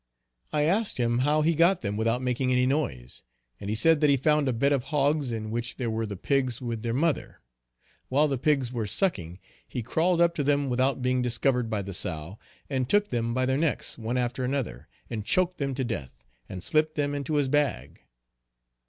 I asked him how he got them without making any noise; and he said that he found a bed of hogs, in which there were the pigs with their mother. While the pigs were sucking he crawled up to them without being discovered by the sow, and took them by their necks one after another, and choked them to death, and slipped them into his bag!